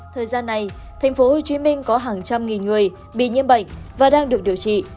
thời gian này tp hcm có hàng trăm nghìn người bị nhiễm bệnh và đang được điều trị